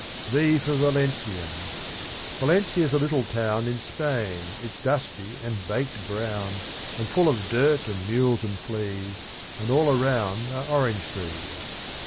V for Valencian. Valencia's a little town In Spain. It's dusty and baked brown, And full of dirt and mules and fleas, And all around are orange trees.